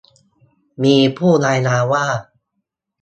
มีผู้รายงานว่า